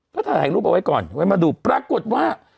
ก็ถ่ายรูปเอาไว้ก่อนไว้มาดูปรากฏว่า